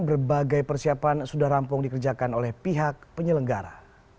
berbagai persiapan sudah rampung dikerjakan oleh pihak penyelenggara